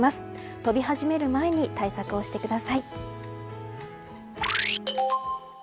飛び始める前に対策をしてください。